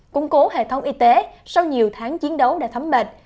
củng cố hệ thống y tế sau nhiều tháng chiến đấu đã thấm mệt